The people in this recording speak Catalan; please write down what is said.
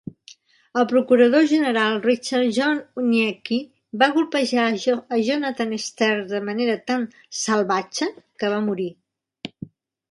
El procurador general, Richard John Uniacke, va colpejar a Jonathan Sterns de manera tan "salvatge" que va morir.